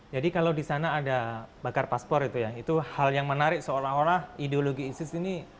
kalau di sana ada bakar paspor itu ya itu hal yang menarik seolah olah ideologi isis ini